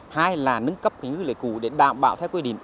hai là nâng cấp ngư lưới cụ để đảm bảo theo quy định